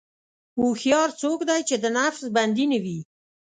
هوښیار څوک دی چې د نفس بندي نه وي.